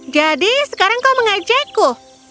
jadi sekarang kau mengajakku